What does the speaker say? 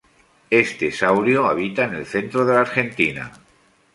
Este saurio habita en el centro de la Argentina.